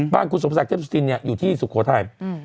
คุณสมศักดิเทพสุธินอยู่ที่สุโขทัย